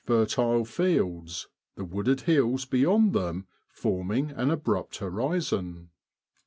fertile fields, the wooded hills beyond them forming an abrupt horizon.